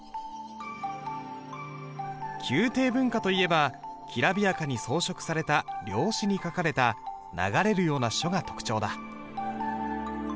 宮廷文化といえばきらびやかに装飾された料紙に書かれた流れるような書が特徴だ。